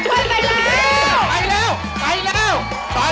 พีลิงขอติดการณ์๑